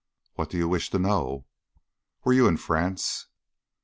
"What do you wish to know?" "Were you in France?"